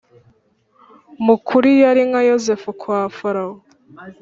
mukuri yari nka yosefu kwa farawo.